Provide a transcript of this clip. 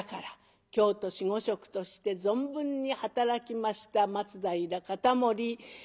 京都守護職として存分に働きました松平容保。